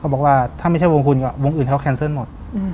บอกว่าถ้าไม่ใช่วงคุณก็วงอื่นเขาแคนเซิลหมด